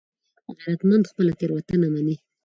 غیرتمند خپله تېروتنه مني